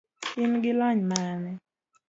in gi lony mane?